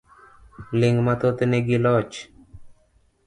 Ling' mathoth nigi loch .